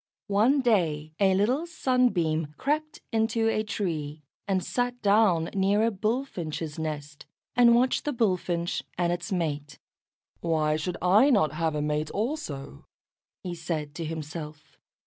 One day a little Sunbeam crept into a tree, and sat down near a Bullfinch's nest, and watched the Bullfinch and its mate. "Why should I not have a mate also?" he said to himself.